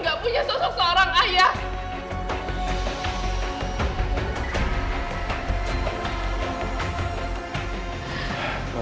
gak punya sosok seorang ayah